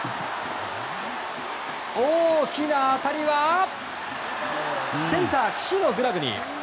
大きな当たりはセンター、岸のグラブに。